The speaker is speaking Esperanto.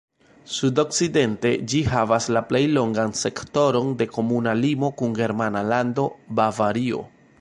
Sudokcidente ĝi havas la plej longan sektoron de komuna limo kun germana lando Bavario.